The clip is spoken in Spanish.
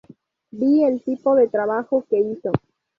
Vi el tipo de trabajo que hizo.